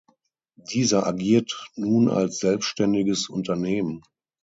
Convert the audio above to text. Dieser agiert nun als selbständiges Unternehmen.